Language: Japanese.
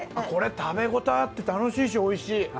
これ食べごたえあって楽しいし美味しい。